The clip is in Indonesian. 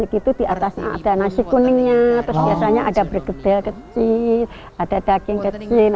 nasi putih itu diatasnya ada nasi kuningnya terus biasanya ada bergedel kecil ada daging kecil